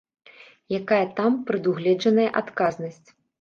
Якая там прадугледжаная адказнасць?